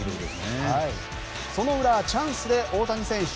その裏、チャンスで大谷選手。